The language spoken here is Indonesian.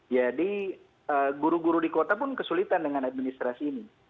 jadi guru guru di kota pun kesulitan dengan administrasi ini